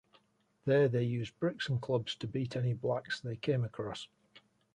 There they used bricks and clubs to beat any blacks they came across.